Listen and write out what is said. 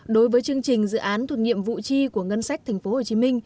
đối với chương trình dự án thuật nghiệm vụ chi của ngân sách tp hcm